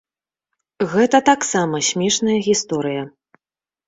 Гэта таксама смешная гісторыя.